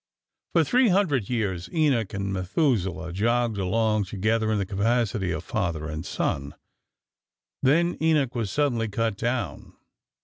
For three hundred years Enoch and Methuselah jogged along together in the capacity of father and son. Then Enoch was suddenly cut down.